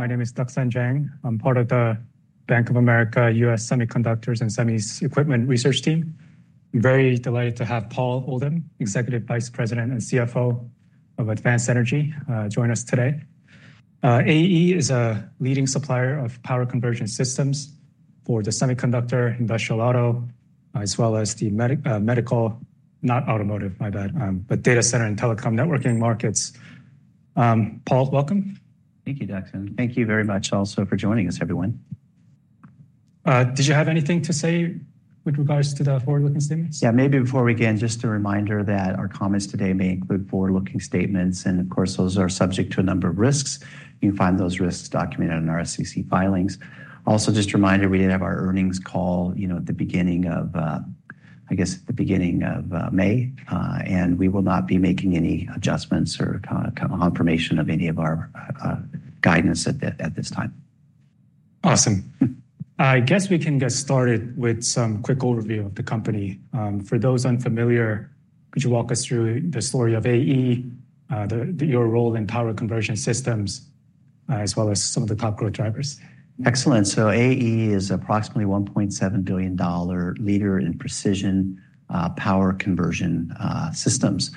My name is Duksan Jang. I'm part of the Bank of America U.S. Semiconductors and Semis Equipment research team. I'm very delighted to have Paul Oldham, Executive Vice President and CFO of Advanced Energy, join us today. AE is a leading supplier of power conversion systems for the semiconductor, industrial, as well as the medical, not automotive, my bad, but data center and telecom networking markets. Paul, welcome. Thank you, Duksan. Thank you very much also for joining us, everyone. Did you have anything to say with regards to the forward-looking statements? Yeah, maybe before we begin, just a reminder that our comments today may include forward-looking statements, and of course, those are subject to a number of risks. You can find those risks documented in our SEC filings. Also, just a reminder, we did have our earnings call, you know, at the beginning of May, and we will not be making any adjustments or kind of confirmation of any of our guidance at this time. Awesome. I guess we can get started with some quick overview of the company. For those unfamiliar, could you walk us through the story of AE, your role in power conversion systems, as well as some of the top growth drivers? Excellent. So AE is approximately $1.7 billion dollar leader in precision power conversion systems.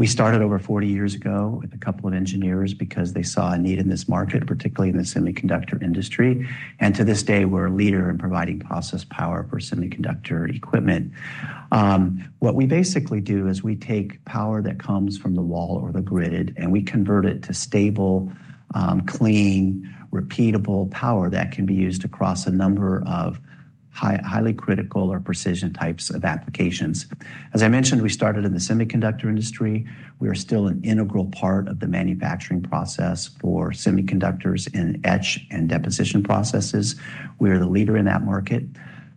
We started over 40 years ago with a couple of engineers because they saw a need in this market, particularly in the semiconductor industry. To this day, we're a leader in providing process power for semiconductor equipment. What we basically do is we take power that comes from the wall or the grid, and we convert it to stable clean repeatable power that can be used across a number of highly critical or precision types of applications. As I mentioned, we started in the semiconductor industry. We are still an integral part of the manufacturing process for semiconductors in etch and deposition processes. We are the leader in that market,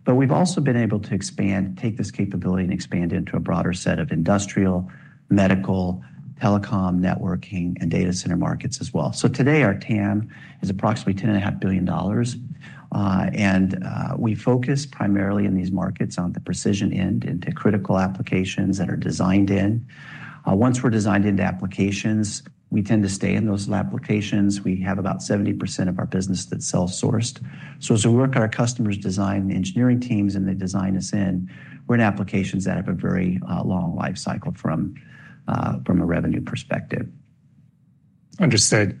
but we've also been able to expand, take this capability and expand into a broader set of industrial, medical, telecom, networking, and data center markets as well. So today, our TAM is approximately $10.5 billion, and we focus primarily in these markets on the precision end into critical applications that are designed in. Once we're designed into applications, we tend to stay in those applications. We have about 70% of our business that's self-sourced. So as we work with our customers' design, engineering teams, and they design us in, we're in applications that have a very long life cycle from, from a revenue perspective. Understood.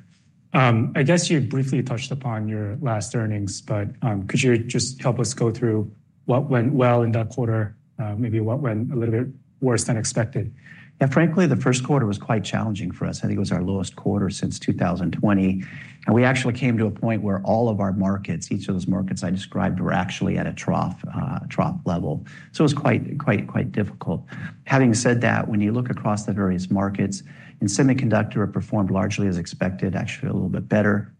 I guess you briefly touched upon your last earnings, but, could you just help us go through what went well in that quarter, maybe what went a little bit worse than expected? Yeah, frankly, the first quarter was quite challenging for us. I think it was our lowest quarter since 2020, and we actually came to a point where all of our markets, each of those markets I described, were actually at a trough, trough level, so it was quite, quite, quite difficult. Having said that, when you look across the various markets, in semiconductor, it performed largely as expected, actually a little bit better.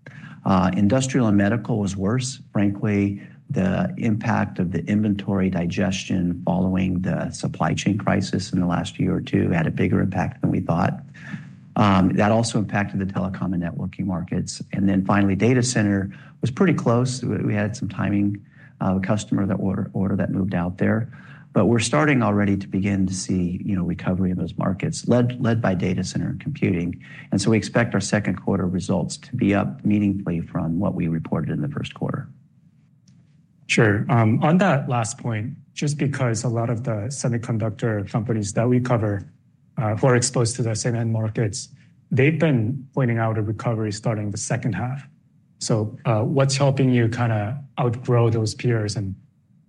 Industrial and medical was worse. Frankly, the impact of the inventory digestion following the supply chain crisis in the last year or two had a bigger impact than we thought. That also impacted the telecom and networking markets. And then finally, data center was pretty close. We had some timing with a customer, that order that moved out there, but we're starting already to begin to see, you know, recovery in those markets, led by data center and computing. And so we expect our second quarter results to be up meaningfully from what we reported in the first quarter. Sure. On that last point, just because a lot of the semiconductor companies that we cover, who are exposed to the same end markets, they've been pointing out a recovery starting the second half. So, what's helping you kind of outgrow those peers and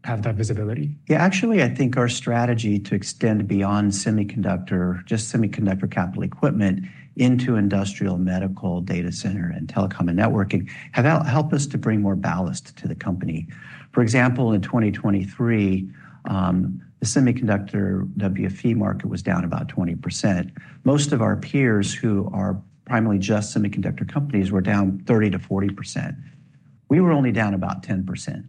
have that visibility? Yeah, actually, I think our strategy to extend beyond semiconductor, just semiconductor capital equipment into industrial, medical, data center, and telecom and networking, have helped us to bring more ballast to the company. For example, in 2023, the semiconductor WFE market was down about 20%. Most of our peers, who are primarily just semiconductor companies, were down 30%-40%. We were only down about 10%.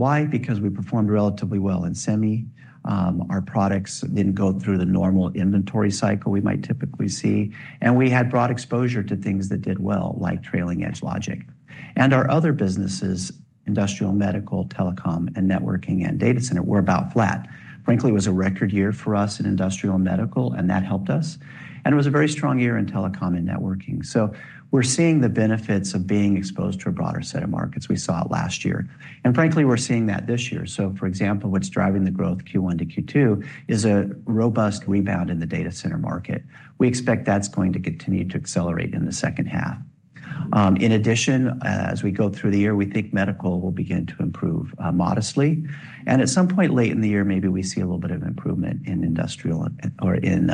Why? Because we performed relatively well in semi. Our products didn't go through the normal inventory cycle we might typically see, and we had broad exposure to things that did well, like trailing edge logic. And our other businesses, industrial, medical, telecom, and networking, and data center, were about flat. Frankly, it was a record year for us in industrial and medical, and that helped us, and it was a very strong year in telecom and networking. So we're seeing the benefits of being exposed to a broader set of markets. We saw it last year, and frankly, we're seeing that this year. So for example, what's driving the growth Q1 to Q2 is a robust rebound in the data center market. We expect that's going to continue to accelerate in the second half. In addition, as we go through the year, we think medical will begin to improve, modestly, and at some point late in the year, maybe we see a little bit of improvement in industrial or in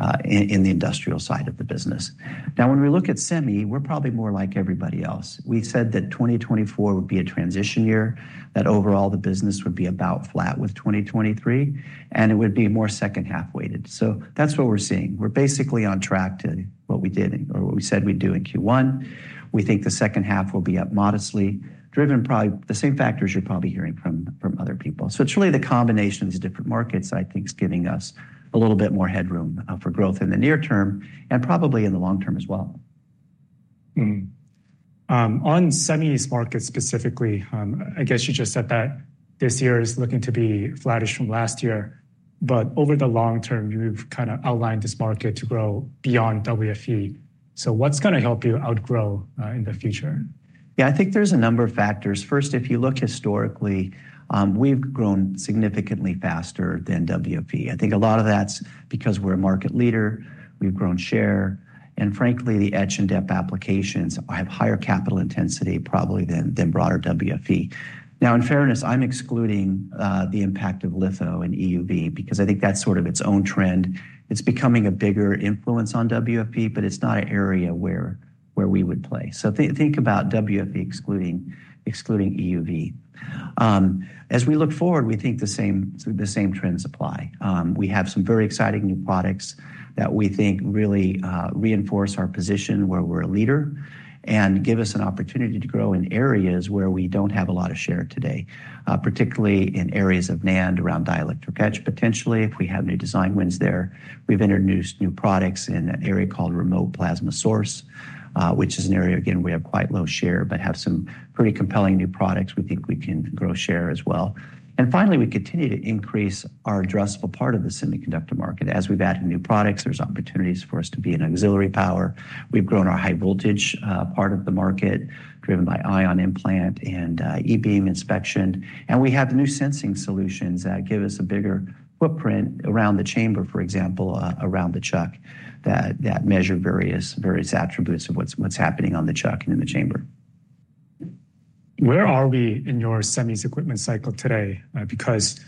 the industrial side of the business. Now, when we look at semi, we're probably more like everybody else. We said that 2024 would be a transition year, that overall the business would be about flat with 2023, and it would be more second half weighted. So that's what we're seeing. We're basically on track to what we did or what we said we'd do in Q1. We think the second half will be up modestly, driven by probably the same factors you're probably hearing from, from other people. So it's really the combination of these different markets, I think, is giving us a little bit more headroom for growth in the near term and probably in the long term as well. Mm-hmm. On semis market specifically, I guess you just said that this year is looking to be flattish from last year. But over the long term, you've kind of outlined this market to grow beyond WFE. So what's going to help you outgrow in the future? Yeah, I think there's a number of factors. First, if you look historically, we've grown significantly faster than WFE. I think a lot of that's because we're a market leader, we've grown share, and frankly, the etch and dep applications have higher capital intensity, probably than broader WFE. Now, in fairness, I'm excluding the impact of litho and EUV because I think that's sort of its own trend. It's becoming a bigger influence on WFE, but it's not an area where we would play. So think about WFE excluding EUV. As we look forward, we think the same trends apply. We have some very exciting new products that we think really reinforce our position where we're a leader and give us an opportunity to grow in areas where we don't have a lot of share today, particularly in areas of NAND, around dielectric etch, potentially, if we have new design wins there. We've introduced new products in an area called remote plasma source, which is an area, again, we have quite low share, but have some pretty compelling new products we think we can grow share as well. And finally, we continue to increase our addressable part of the semiconductor market. As we've added new products, there's opportunities for us to be in auxiliary power. We've grown our high voltage part of the market, driven by ion implant and e-beam Inspection. We have new sensing solutions that give us a bigger footprint around the chamber, for example, around the chuck, that measure various attributes of what's happening on the chuck and in the chamber. Where are we in your semis equipment cycle today? Because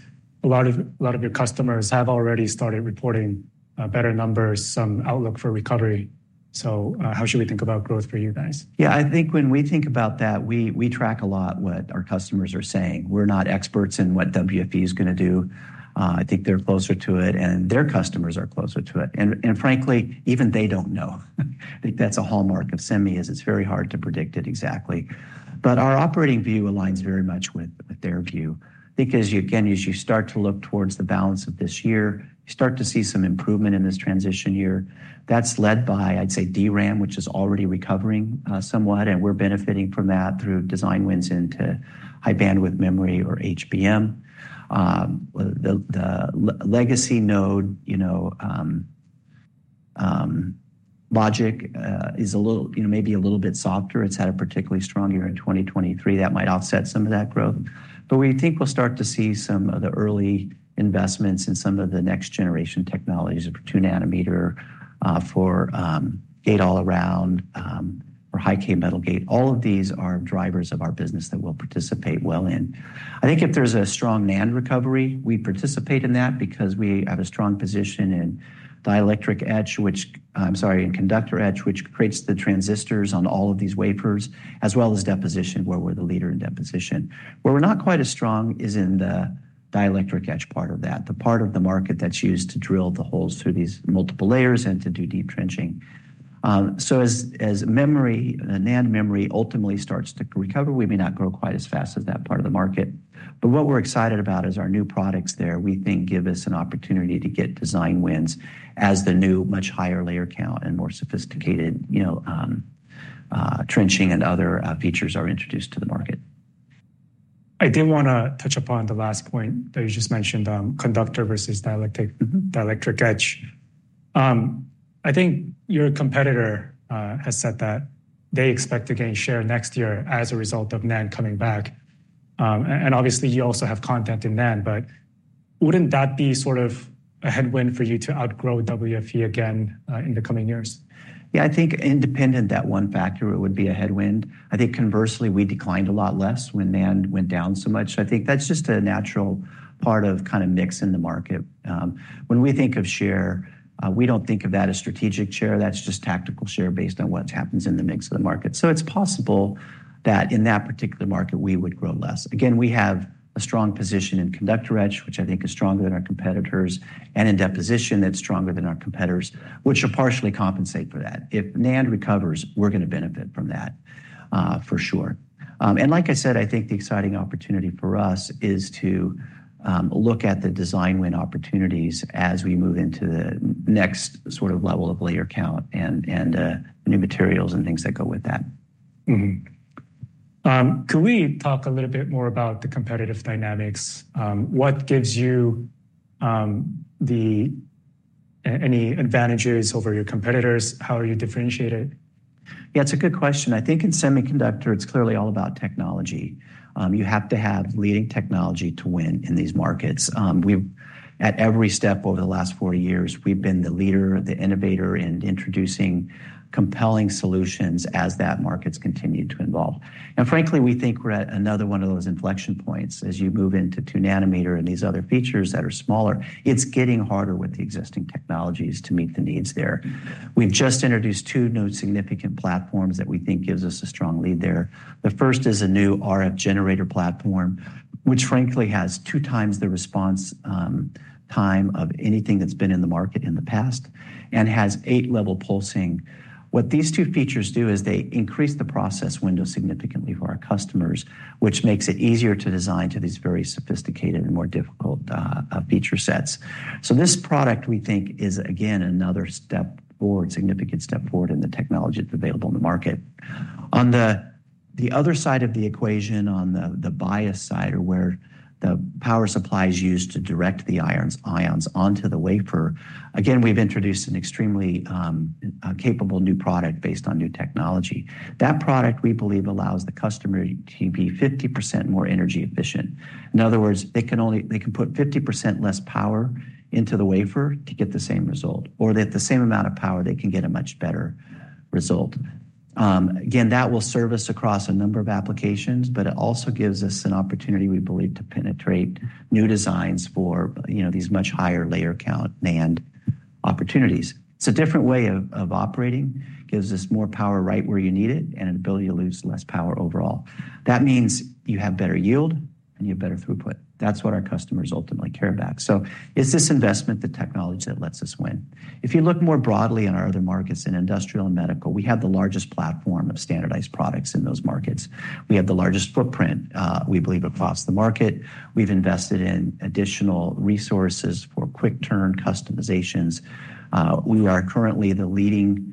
a lot of, lot of your customers have already started reporting better numbers, some outlook for recovery. So, how should we think about growth for you guys? Yeah, I think when we think about that, we track a lot what our customers are saying. We're not experts in what WFE is going to do. I think they're closer to it and their customers are closer to it. And frankly, even they don't know. I think that's a hallmark of semi; it's very hard to predict it exactly. But our operating view aligns very much with their view, because again, as you start to look towards the balance of this year, you start to see some improvement in this transition year. That's led by, I'd say, DRAM, which is already recovering somewhat, and we're benefiting from that through design wins into high bandwidth memory or HBM. The legacy node, you know, logic is a little, you know, maybe a little bit softer. It's had a particularly strong year in 2023. That might offset some of that growth. But we think we'll start to see some of the early investments in some of the next-generation technologies of 2 nm, for, gate all around, or high-K metal gate. All of these are drivers of our business that we'll participate well in. I think if there's a strong NAND recovery, we participate in that because we have a strong position in dielectric etch, which, I'm sorry, in conductor etch, which creates the transistors on all of these wafers, as well as deposition, where we're the leader in deposition. Where we're not quite as strong is in the dielectric etch part of that, the part of the market that's used to drill the holes through these multiple layers and to do deep trenching. So as memory, NAND memory ultimately starts to recover, we may not grow quite as fast as that part of the market. But what we're excited about is our new products there, we think, give us an opportunity to get design wins as the new, much higher layer count and more sophisticated, you know, trenching and other features are introduced to the market. I did want to touch upon the last point that you just mentioned, conductor versus dielectric- Mm-hmm. Dielectric etch. I think your competitor has said that they expect to gain share next year as a result of NAND coming back. And obviously, you also have content in NAND, but wouldn't that be sort of a headwind for you to outgrow WFE again in the coming years? Yeah, I think independent, that one factor would be a headwind. I think conversely, we declined a lot less when NAND went down so much. I think that's just a natural part of kind of mix in the market. When we think of share, we don't think of that as strategic share. That's just tactical share based on what happens in the mix of the market. So it's possible that in that particular market, we would grow less. Again, we have a strong position in conductor etch, which I think is stronger than our competitors, and in deposition, it's stronger than our competitors, which will partially compensate for that. If NAND recovers, we're going to benefit from that, for sure. And like I said, I think the exciting opportunity for us is to look at the design win opportunities as we move into the next sort of level of layer count and new materials and things that go with that. Mm-hmm. Could we talk a little bit more about the competitive dynamics? What gives you any advantages over your competitors? How are you differentiated? Yeah, it's a good question. I think in semiconductor, it's clearly all about technology. You have to have leading technology to win in these markets. At every step over the last 4 years, we've been the leader, the innovator in introducing compelling solutions as that market's continued to evolve. And frankly, we think we're at another one of those inflection points. As you move into 2 nm and these other features that are smaller, it's getting harder with the existing technologies to meet the needs there. We've just introduced two new significant platforms that we think gives us a strong lead there. The first is a new RF generator platform, which frankly has two times the response time of anything that's been in the market in the past and has 8-level pulsing. What these two features do is they increase the process window significantly for our customers, which makes it easier to design to these very sophisticated and more difficult feature sets. So this product, we think, is again, another step forward, significant step forward in the technology that's available on the market. On the other side of the equation, on the bias side, or where the power supply is used to direct the ions onto the wafer, again, we've introduced an extremely capable new product based on new technology. That product, we believe, allows the customer to be 50% more energy efficient. In other words, they can only—they can put 50% less power into the wafer to get the same result, or that the same amount of power, they can get a much better result. Again, that will serve us across a number of applications, but it also gives us an opportunity, we believe, to penetrate new designs for, you know, these much higher layer count NAND opportunities. It's a different way of operating, gives us more power right where you need it and an ability to lose less power overall. That means you have better yield and you have better throughput. That's what our customers ultimately care about. So, is this investment the technology that lets us win? If you look more broadly in our other markets, in industrial and medical, we have the largest platform of standardized products in those markets. We have the largest footprint, we believe, across the market. We've invested in additional resources for quick-turn customizations. We are currently the leading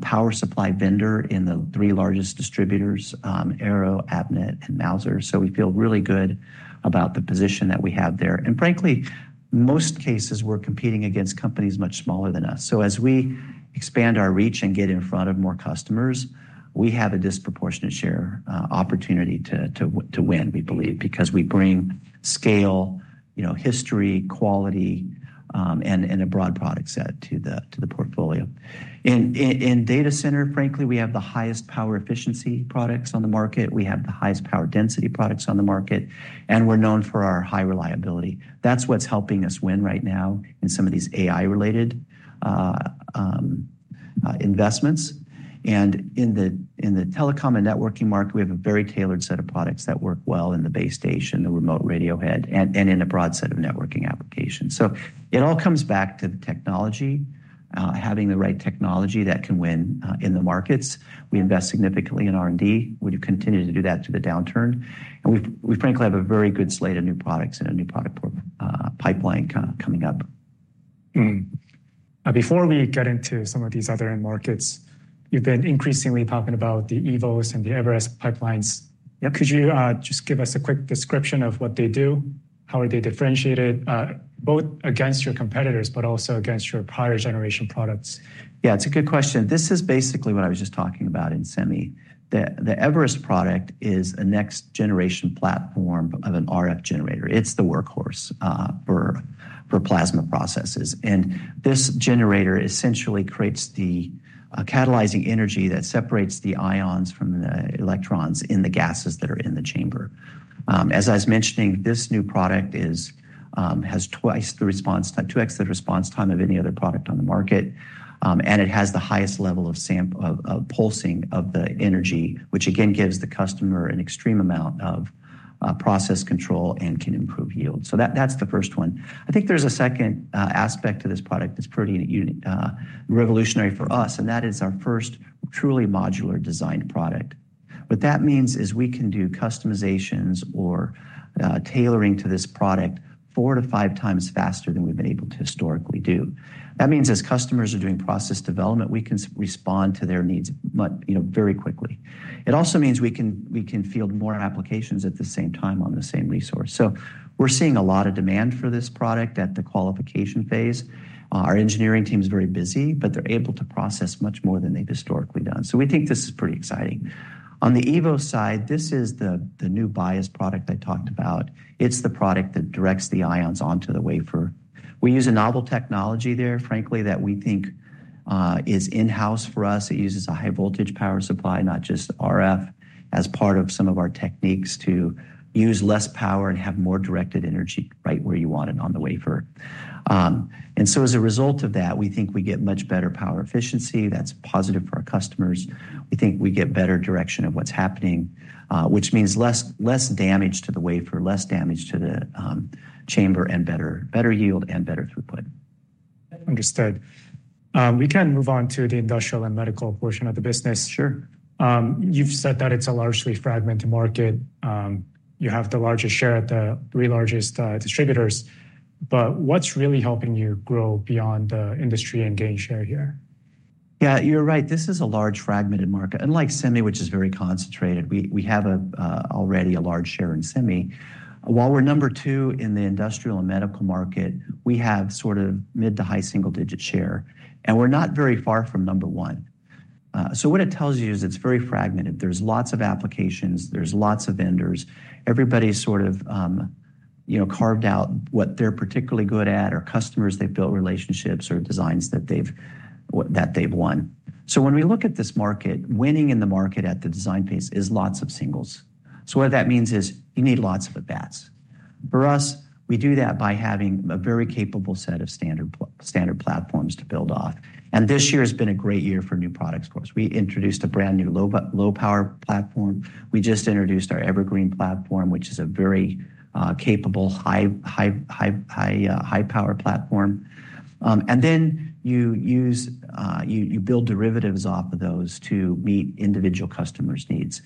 power supply vendor in the three largest distributors, Arrow, Avnet, and Mouser. So we feel really good about the position that we have there. And frankly, most cases, we're competing against companies much smaller than us. So as we expand our reach and get in front of more customers, we have a disproportionate share opportunity to win, we believe, because we bring scale, you know, history, quality, and a broad product set to the portfolio. In data center, frankly, we have the highest power efficiency products on the market. We have the highest power density products on the market, and we're known for our high reliability. That's what's helping us win right now in some of these AI-related investments. And in the telecom and networking market, we have a very tailored set of products that work well in the base station, the remote radio head, and in a broad set of networking applications. So it all comes back to the technology, having the right technology that can win in the markets. We invest significantly in R&D. We continue to do that through the downturn, and we frankly have a very good slate of new products and a new product port, pipeline coming up. Mm-hmm. Now, before we get into some of these other end markets, you've been increasingly talking about the eVoS and the Evergreen pipelines. Yep. Could you just give us a quick description of what they do? How are they differentiated both against your competitors, but also against your prior generation products? Yeah, it's a good question. This is basically what I was just talking about in Semi. The eVerest product is a next generation platform of an RF generator. It's the workhorse for plasma processes. And this generator essentially creates the catalyzing energy that separates the ions from the electrons in the gases that are in the chamber. As I was mentioning, this new product has twice the response time, 2x the response time of any other product on the market, and it has the highest level of pulsing of the energy, which again, gives the customer an extreme amount of process control and can improve yield. So that's the first one. I think there's a second aspect to this product that's pretty unique revolutionary for us, and that is our first truly modular designed product. What that means is we can do customizations or tailoring to this product four to five times faster than we've been able to historically do. That means as customers are doing process development, we can respond to their needs much, you know, very quickly. It also means we can field more applications at the same time on the same resource. So we're seeing a lot of demand for this product at the qualification phase. Our engineering team is very busy, but they're able to process much more than they've historically done. So we think this is pretty exciting. On the eVoS side, this is the new bias product I talked about. It's the product that directs the ions onto the wafer. We use a novel technology there, frankly, that we think is in-house for us. It uses a high voltage power supply, not just RF, as part of some of our techniques to use less power and have more directed energy right where you want it on the wafer. And so as a result of that, we think we get much better power efficiency that's positive for our customers. We think we get better direction of what's happening, which means less damage to the wafer, less damage to the chamber, and better yield and better throughput. Understood. We can move on to the industrial and medical portion of the business. Sure. You've said that it's a largely fragmented market. You have the largest share at the three largest distributors, but what's really helping you grow beyond the industry and gain share here? Yeah, you're right. This is a large, fragmented market. Unlike Semi, which is very concentrated, we, we have a already a large share in Semi. While we're number two in the industrial and medical market, we have sort of mid to high single-digit share, and we're not very far from number one. So what it tells you is it's very fragmented. There's lots of applications, there's lots of vendors. Everybody's sort of, you know, carved out what they're particularly good at or customers they've built relationships or designs that they've that they've won. So when we look at this market, winning in the market at the design phase is lots of singles. So what that means is you need lots of at-bats. For us, we do that by having a very capable set of standard platforms to build off, and this year has been a great year for new products for us. We introduced a brand new low power platform. We just introduced our Evergreen platform, which is a very capable, high power platform. And then you use, you build derivatives off of those to meet individual customers' needs.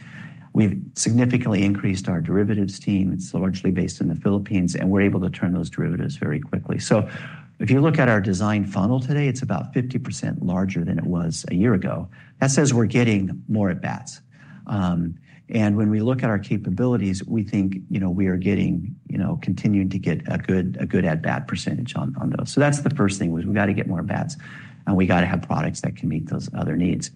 We've significantly increased our derivatives team. It's largely based in the Philippines, and we're able to turn those derivatives very quickly. So if you look at our design funnel today, it's about 50% larger than it was a year ago. That says we're getting more at-bats. And when we look at our capabilities, we think, you know, we are getting, you know, continuing to get a good, a good at-bat percentage on, on those. So that's the first thing, was we've got to get more at-bats, and we gotta have products that can meet those other needs.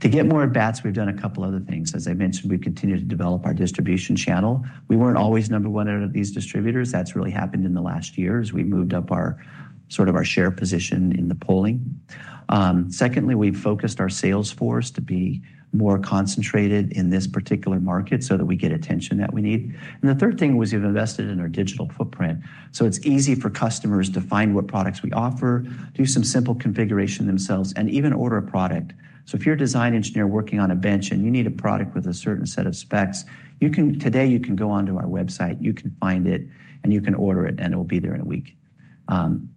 To get more at-bats, we've done a couple other things. As I mentioned, we've continued to develop our distribution channel. We weren't always number one out of these distributors. That's really happened in the last year as we moved up our, sort of our share position in the polling. Secondly, we've focused our sales force to be more concentrated in this particular market so that we get attention that we need. And the third thing was we've invested in our digital footprint, so it's easy for customers to find what products we offer, do some simple configuration themselves, and even order a product. So if you're a design engineer working on a bench, and you need a product with a certain set of specs, you can today, you can go onto our website, you can find it, and you can order it, and it will be there in a week.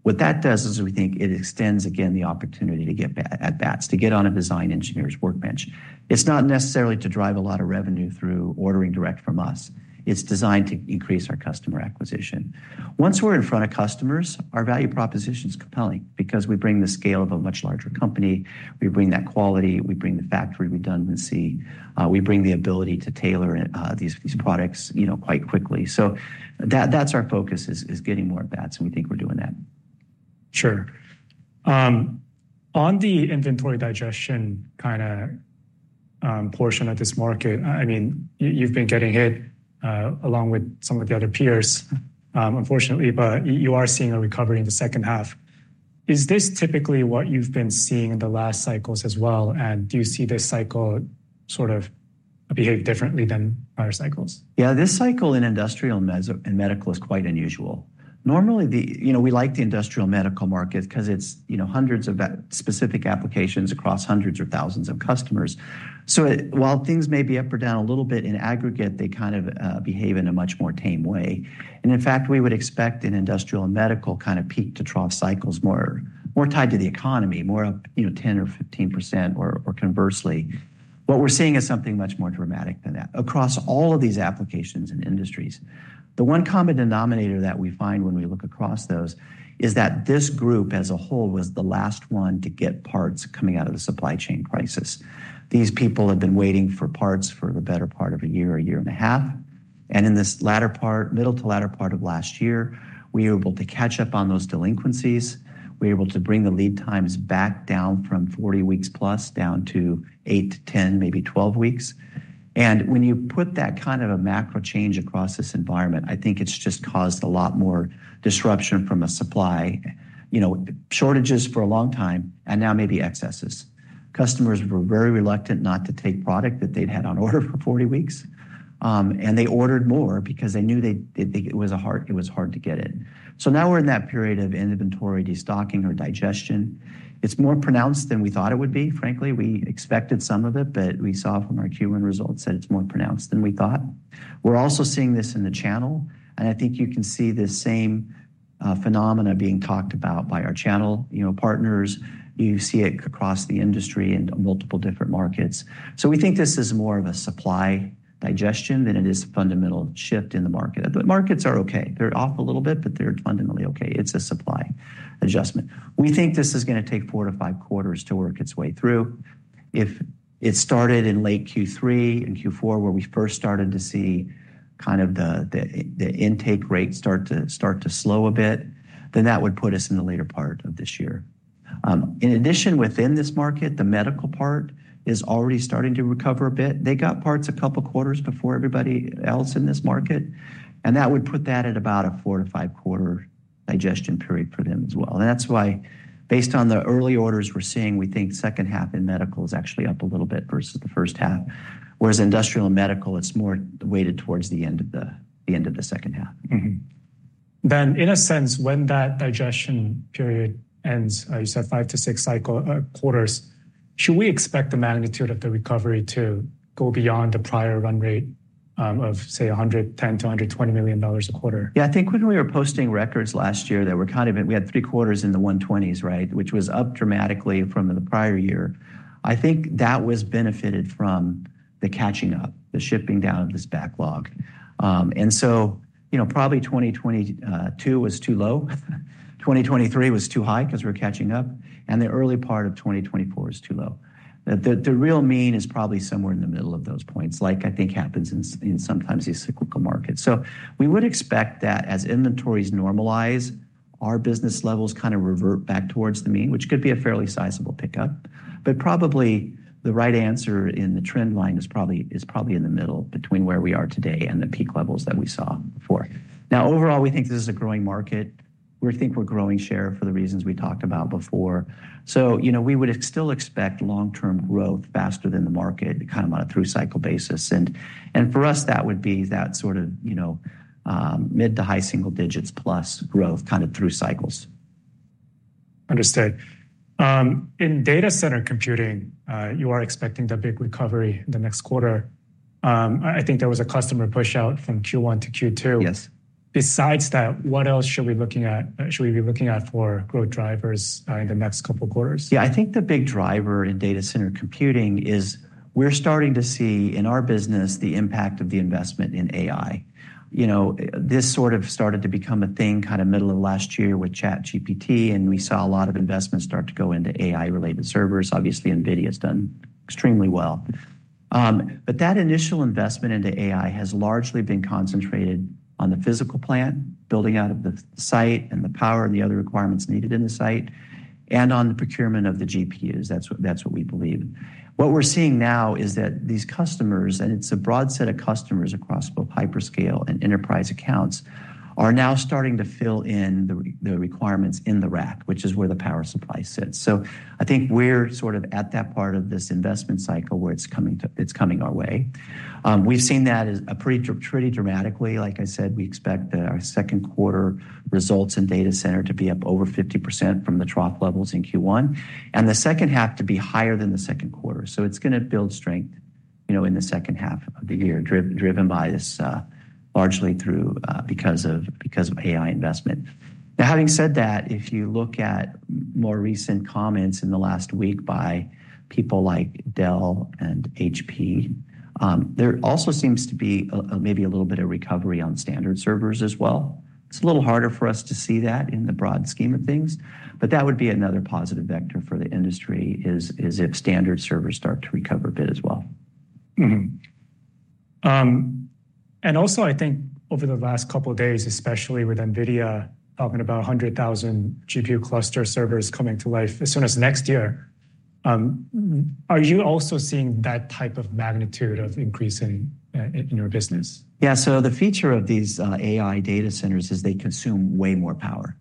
What that does is we think it extends, again, the opportunity to get at-bats, to get on a design engineer's workbench. It's not necessarily to drive a lot of revenue through ordering direct from us. It's designed to increase our customer acquisition. Once we're in front of customers, our value proposition is compelling because we bring the scale of a much larger company, we bring that quality, we bring the factory redundancy, we bring the ability to tailor these products, you know, quite quickly. So that's our focus: getting more at-bats, and we think we're doing that. Sure. On the inventory digestion kinda portion of this market, I mean, you've been getting hit along with some of the other peers, unfortunately, but you are seeing a recovery in the second half. Is this typically what you've been seeing in the last cycles as well, and do you see this cycle sort of behave differently than prior cycles? Yeah, this cycle in industrial and medical is quite unusual. Normally, the... You know, we like the industrial medical market 'cause it's, you know, hundreds of that specific applications across hundreds of thousands of customers. So it, while things may be up or down a little bit, in aggregate, they kind of behave in a much more tame way. And in fact, we would expect an industrial and medical kind of peak-to-trough cycle is more tied to the economy, more up, you know, 10% or 15% or conversely. What we're seeing is something much more dramatic than that. Across all of these applications and industries, the one common denominator that we find when we look across those is that this group, as a whole, was the last one to get parts coming out of the supply chain crisis. These people have been waiting for parts for the better part of a year or year and a half, and in this latter part, middle to latter part of last year, we were able to catch up on those delinquencies. We were able to bring the lead times back down from 40 weeks plus, down to eight to 10, maybe 12 weeks, and when you put that kind of a macro change across this environment, I think it's just caused a lot more disruption from a supply, you know, shortages for a long time, and now maybe excesses. Customers were very reluctant not to take product that they'd had on order for 40 weeks, and they ordered more because they knew it was hard to get it. So now we're in that period of inventory destocking or digestion. It's more pronounced than we thought it would be, frankly. We expected some of it, but we saw from our Q1 results that it's more pronounced than we thought. We're also seeing this in the channel, and I think you can see the same, phenomena being talked about by our channel, you know, partners. You see it across the industry in multiple different markets. So we think this is more of a supply digestion than it is a fundamental shift in the market, but markets are okay. They're off a little bit, but they're fundamentally okay. It's a supply adjustment. We think this is gonna take four to five quarters to work its way through. If it started in late Q3 and Q4, where we first started to see kind of the intake rate start to slow a bit, then that would put us in the later part of this year. In addition, within this market, the medical part is already starting to recover a bit. They got parts a couple quarters before everybody else in this market, and that would put that at about a four- to five-quarter digestion period for them as well. And that's why, based on the early orders we're seeing, we think second half in medical is actually up a little bit versus the first half, whereas industrial and medical, it's more weighted towards the end of the second half. Mm-hmm. Then, in a sense, when that digestion period ends, you said five to six cycle quarters, should we expect the magnitude of the recovery to go beyond the prior run rate, of, say, $110 million-$120 million a quarter? Yeah, I think when we were posting records last year, there were kind of... We had three quarters in the 120s, right? Which was up dramatically from the prior year. I think that was benefited from the catching up, the shipping down of this backlog. And so, you know, probably 2022 was too low, 2023 was too high 'cause we were catching up, and the early part of 2024 is too low. The real mean is probably somewhere in the middle of those points, like I think happens in sometimes these cyclic al markets. So we would expect that as inventories normalize, our business levels kind of revert back towards the mean, which could be a fairly sizable pickup, but probably the right answer in the trend line is probably in the middle between where we are today and the peak levels that we saw before. Now, overall, we think this is a growing market. We think we're growing share for the reasons we talked about before. So, you know, we would still expect long-term growth faster than the market, kind of on a through-cycle basis. And for us, that would be that sort of, you know, mid to high single digits plus growth, kind of through cycles. Understood. In data center computing, you are expecting the big recovery in the next quarter. I think there was a customer push out from Q1 to Q2. Yes. Besides that, what else should we be looking at for growth drivers in the next couple quarters? Yeah, I think the big driver in data center computing is we're starting to see, in our business, the impact of the investment in AI. You know, this sort of started to become a thing kind of middle of last year with ChatGPT, and we saw a lot of investments start to go into AI-related servers. Obviously, NVIDIA's done extremely well. But that initial investment into AI has largely been concentrated on the physical plant, building out of the site, and the power and the other requirements needed in the site, and on the procurement of the GPUs. That's what, that's what we believe. What we're seeing now is that these customers, and it's a broad set of customers across both hyperscale and enterprise accounts, are now starting to fill in the requirements in the rack, which is where the power supply sits. So I think we're sort of at that part of this investment cycle, where it's coming our way. We've seen that as pretty dramatically. Like I said, we expect that our second quarter results in data center to be up over 50% from the trough levels in Q1, and the second half to be higher than the second quarter. So it's gonna build strength, you know, in the second half of the year, driven by this largely through because of, because of AI investment. Now, having said that, if you look at more recent comments in the last week by people like Dell and HP, there also seems to be a maybe little bit of recovery on standard servers as well. It's a little harder for us to see that in the broad scheme of things, but that would be another positive vector for the industry, is if standard servers start to recover a bit as well. Mm-hmm. And also, I think over the last couple days, especially with NVIDIA talking about 100,000 GPU cluster servers coming to life as soon as next year, are you also seeing that type of magnitude of increase in your business? Yeah. So the feature of these AI data centers is they consume way more power,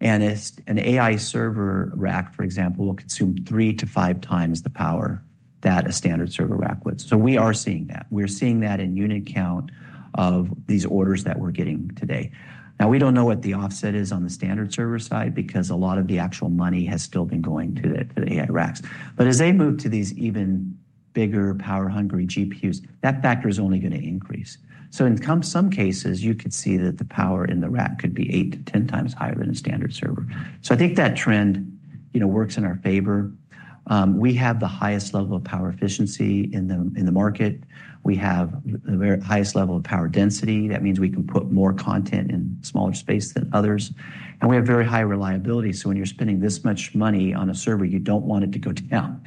and as an AI server rack, for example, will consume 3-5 times the power that a standard server rack would. So we are seeing that. We're seeing that in unit count of these orders that we're getting today. Now, we don't know what the offset is on the standard server side because a lot of the actual money has still been going to the, to the AI racks. But as they move to these even bigger, power-hungry GPUs, that factor is only gonna increase. So in some cases, you could see that the power in the rack could be 8-10 times higher than a standard server. So I think that trend, you know, works in our favor. We have the highest level of power efficiency in the market. We have the very highest level of power density. That means we can put more content in smaller space than others, and we have very high reliability, so when you're spending this much money on a server, you don't want it to go down.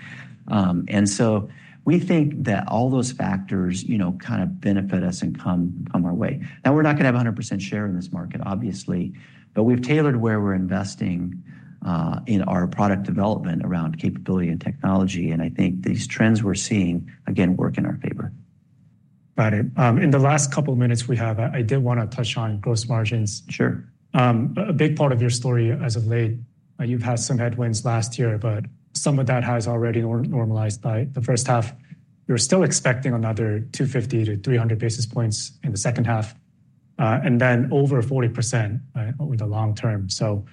And so we think that all those factors, you know, kind of benefit us and come our way. Now, we're not gonna have a 100% share in this market, obviously, but we've tailored where we're investing in our product development around capability and technology, and I think these trends we're seeing, again, work in our favor. Got it. In the last couple minutes we have, I did wanna touch on gross margins. Sure. A big part of your story as of late, you've had some headwinds last year, but some of that has already normalized by the first half. You're still expecting another 250-300 basis points in the second half, and then over 40% over the long term. So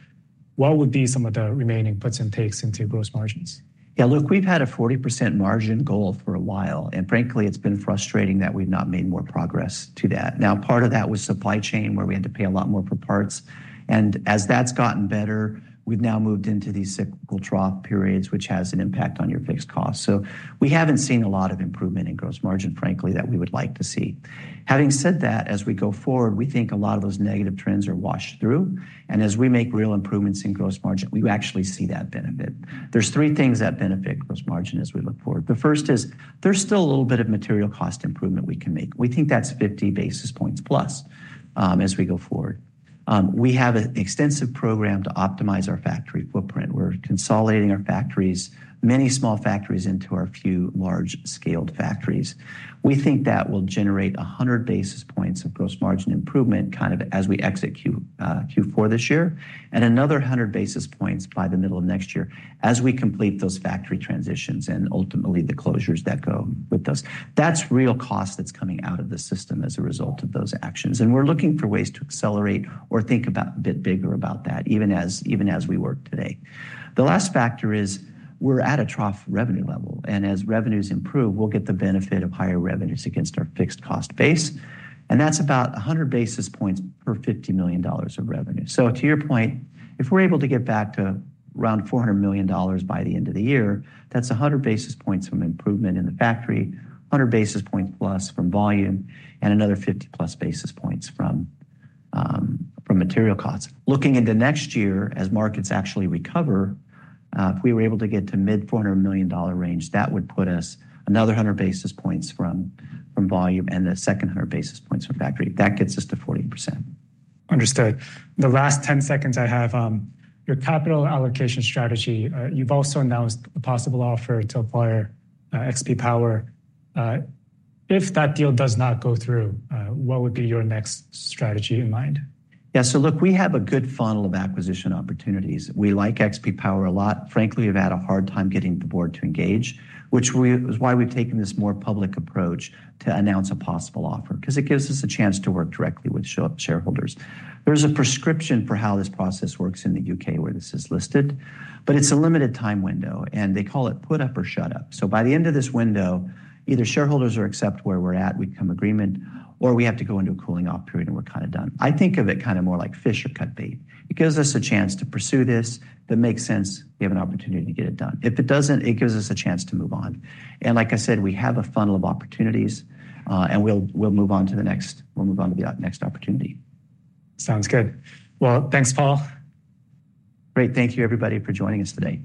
what would be some of the remaining puts and takes into gross margins? Yeah, look, we've had a 40% margin goal for a while, and frankly, it's been frustrating that we've not made more progress to that. Now, part of that was supply chain, where we had to pay a lot more for parts, and as that's gotten better, we've now moved into these cyclical trough periods, which has an impact on your fixed cost. So we haven't seen a lot of improvement in gross margin, frankly, that we would like to see. Having said that, as we go forward, we think a lot of those negative trends are washed through, and as we make real improvements in gross margin, we actually see that benefit. There's three things that benefit gross margin as we look forward. The first is there's still a little bit of material cost improvement we can make. We think that's 50 basis points plus, as we go forward. We have an extensive program to optimize our factory footprint. We're consolidating our factories, many small factories into our few large-scaled factories. We think that will generate 100 basis points of gross margin improvement, kind of as we exit Q4 this year, and another 100 basis points by the middle of next year as we complete those factory transitions and ultimately the closures that go with those. That's real cost that's coming out of the system as a result of those actions, and we're looking for ways to accelerate or think about a bit bigger about that, even as we work today. The last factor is we're at a trough revenue level, and as revenues improve, we'll get the benefit of higher revenues against our fixed cost base, and that's about 100 basis points per $50 million of revenue. So to your point, if we're able to get back to around $400 million by the end of the year, that's 100 basis points from improvement in the factory, 100 basis points plus from volume, and another 50+ basis points from material costs. Looking into next year, as markets actually recover, if we were able to get to mid-$400 million range, that would put us another 100 basis points from volume and the second 100 basis points from factory. That gets us to 40%. Understood. The last 10 seconds I have, your capital allocation strategy, you've also announced a possible offer to acquire XP Power. If that deal does not go through, what would be your next strategy in mind? Yeah, so look, we have a good funnel of acquisition opportunities. We like XP Power a lot. Frankly, we've had a hard time getting the board to engage, which was why we've taken this more public approach to announce a possible offer, 'cause it gives us a chance to work directly with shareholders. There's a prescription for how this process works in the U.K., where this is listed, but it's a limited time window, and they call it put up or shut up. So by the end of this window, either shareholders will accept where we're at, we come agreement, or we have to go into a cooling-off period, and we're kind of done. I think of it kind of more like fish or cut bait. It gives us a chance to pursue this. If that makes sense, we have an opportunity to get it done. If it doesn't, it gives us a chance to move on, and like I said, we have a funnel of opportunities, and we'll move on to the next opportunity. Sounds good. Well, thanks, Paul. Great. Thank you, everybody, for joining us today.